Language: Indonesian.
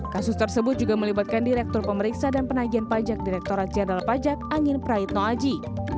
kasus tersebut juga melibatkan direktur pemeriksa dan penagihan pajak direktorat jenderal pajak angin prahit noaji